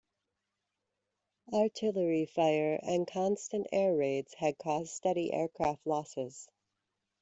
Artillery fire and constant air raids had caused steady aircraft losses.